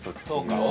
そうか。